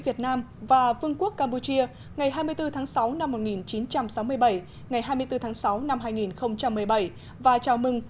việt nam và vương quốc campuchia ngày hai mươi bốn tháng sáu năm một nghìn chín trăm sáu mươi bảy ngày hai mươi bốn tháng sáu năm hai nghìn một mươi bảy và chào mừng